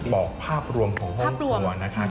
บอกภาพรวมของห้องครัวนะคะ